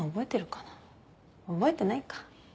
覚えてないか。